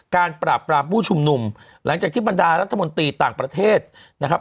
ปราบปรามผู้ชุมนุมหลังจากที่บรรดารัฐมนตรีต่างประเทศนะครับ